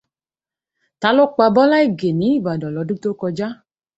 Ta ló pa Bọ́lá Ìgè ní Ìbàdàn lọ́dún tó kọjá